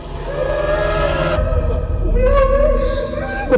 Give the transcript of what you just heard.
กูไม่รู้